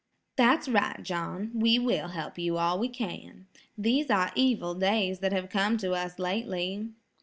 "That's right, John. We will help you all we can. These are evil days that have come to us lately."